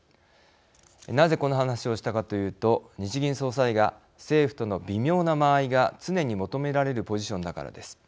なぜこの話をしたかというと日銀総裁が政府との微妙な間合いが常に求められるポジションだからです。